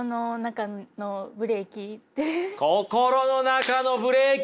心の中のブレーキ！